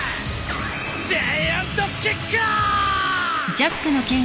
ジャイアントキッカー！